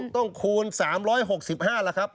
ต้องคูณ๓๖๕ล่ะครับ